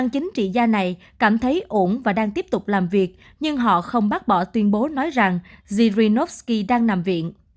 chính trị gia này cảm thấy ổn và đang tiếp tục làm việc nhưng họ không bác bỏ tuyên bố nói rằng zirinovsky đang nằm viện